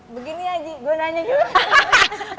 begini aja gue nanya juga